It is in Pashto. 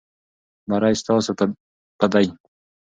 بری ستاسو په دی.